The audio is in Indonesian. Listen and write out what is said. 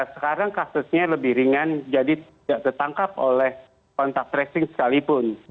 sekarang kasusnya lebih ringan jadi tidak tertangkap oleh kontak tracing sekalipun